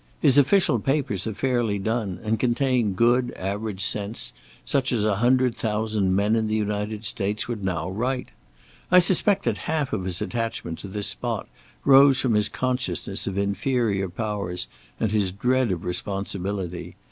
His official papers are fairly done, and contain good average sense such as a hundred thousand men in the United States would now write. I suspect that half of his attachment to this spot rose from his consciousness of inferior powers and his dread of responsibility.